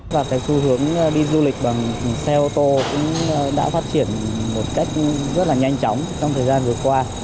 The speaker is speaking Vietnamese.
và cái xu hướng đi du lịch bằng xe ô tô cũng đã phát triển một cách rất là nhanh chóng trong thời gian vừa qua